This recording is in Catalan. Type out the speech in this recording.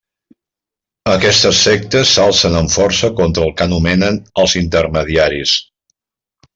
Aquestes sectes s'alcen amb força contra el que anomenen els intermediaris.